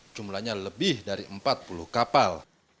jumlahnya lebih dari empat puluh kapal